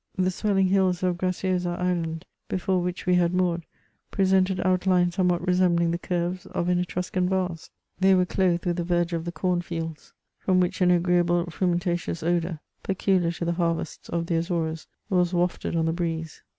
The swelling hills of Graciosa Island, before which we had moored, presented outlines somewhat resembling the curves of an Etruscan vase; they were clothed with the ver dure of the corn fields, from which an agreeable frumentacioua odour, peculiar to the harvests of the Azores, was wafted on the breeze.